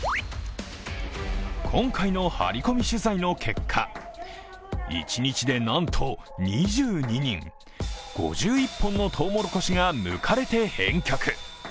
今回のハリコミ取材の結果、一日でなんと２２人、５１本のとうもろこしがむかれて返却。